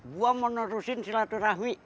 gue mau nurusin silaturahmi